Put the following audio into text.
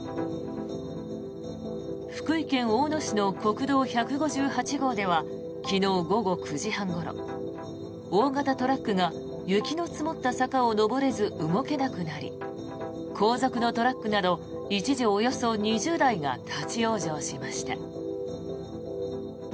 福井県大野市の国道１５８号では昨日午後９時半ごろ大型トラックが雪の積もった坂を上れず動けなくなり後続のトラックなど一時およそ２０台が立ち往生しました。